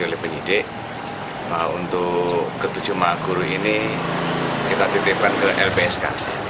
oleh penyidik untuk ketujuh maha guru ini kita titipkan ke lpsk